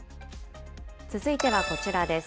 続いてはこちらです。